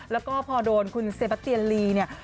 แล้วก็พอโดนคุณเซบัตเตียนลีเนี่ย